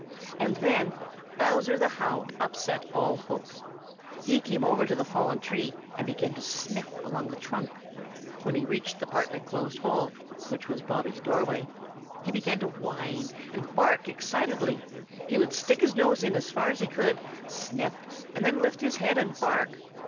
And then Bowser the Hound upset all hope. He came over to the fallen tree and began to sniff along the trunk. When he reached the partly closed hole which was Bobby's doorway, he began to whine and bark excitedly. He would stick his nose in as far as he could, sniff, then lift his head and bark.